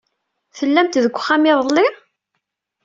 Tellamt deg uxxam iḍelli?